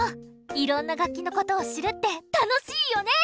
いろんな楽器のことを知るって楽しいよね！